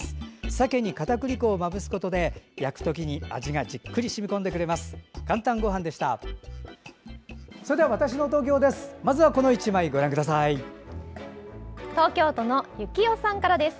鮭にかたくり粉をまぶすことで焼くときに味が染み込んでくれます。